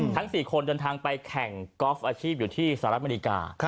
ทั้ง๔คนเดินทางไปแข่งกอล์ฟอาชีพอยู่ที่สหรัฐอเมริกา